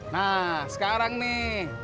nah sekarang nih